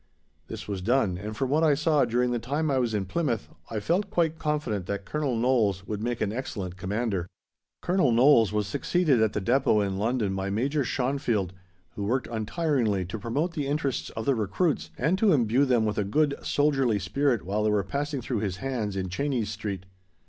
This was done, and from what I saw during the time I was in Plymouth, I felt quite confident that Colonel Knowles would make an excellent commander. Colonel Knowles was succeeded at the Depôt in London by Major Schonfield, who worked untiringly to promote the interests of the recruits, and to imbue them with a good, soldierly spirit while they were passing through his hands in Chenies Street.